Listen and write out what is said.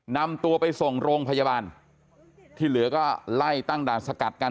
นำตัวไปส่งโรงพยาบาลที่เหลือก็ไล่ตั้งด่านสกัดกัน